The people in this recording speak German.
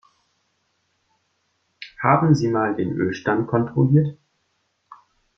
Haben Sie mal den Ölstand kontrolliert?